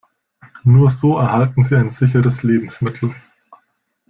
Nur so erhalten Sie ein sicheres Lebensmittel.